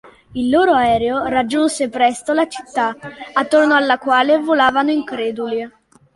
Il loro aereo raggiunse presto la città, attorno alla quale volavano increduli.